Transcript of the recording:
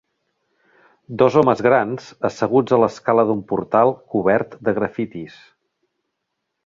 Dos homes grans asseguts a l'escala d'un portal cobert de grafitis.